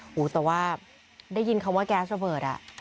โอ้โหแต่ว่าได้ยินคำว่าแก๊สระเบิด